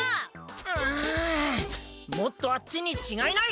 うんもっとあっちにちがいない！